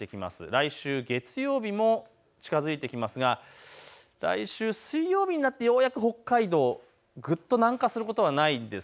来週月曜日も近づいてきますが来週水曜日になってようやく北海道、ぐっと南下することはないです。